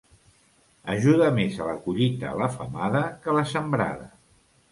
Ajuda més a la collita la femada que la sembrada.